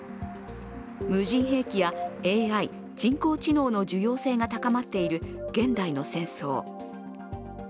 無人兵器やＡＩ＝人工知能の重要性が高まっている現代の戦争。